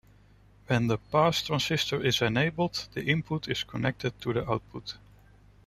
When the pass transistor is enabled, the input is connected to the output.